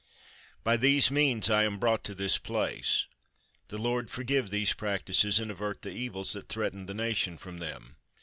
By these means I am brought to this place. The Lord forgive these practises, and avert the evils that threaten the nation from them.